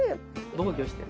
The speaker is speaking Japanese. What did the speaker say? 防御してる。